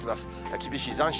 厳しい残暑。